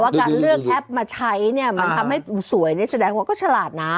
เกิดเลือกแอปมาใช้นี่ก็ทำให้สวยแสดงว่าก็ชาลาดนะ